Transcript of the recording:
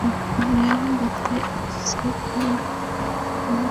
তবে বিজেএমসির কোন কোন ক্ষেত্রে দুর্নীতি হয়, সেগুলো আমরা ইতিমধ্যে চিহ্নিত করেছি।